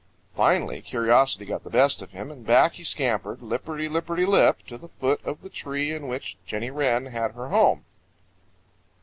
Finally curiosity got the best of him, and back he scampered, lipperty lipperty lip, to the foot of the tree in which Jenny Wren had her home.